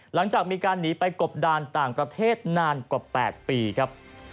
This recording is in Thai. หลังจากมีการหนีไปกบดานต่างประเทศนานกว่า๘ปีครับ